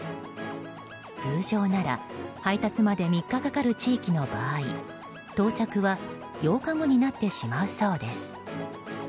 通常なら配達まで３日かかる地域の場合到着は８日後になってしまうそうです。